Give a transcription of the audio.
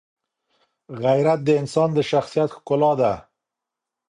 غیرت د انسان د شخصیت ښکلا ده.